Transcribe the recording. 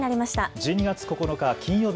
１２月９日